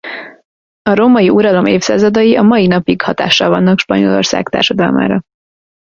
A római uralom évszázadai a mai napig hatással vannak Spanyolország társadalmára.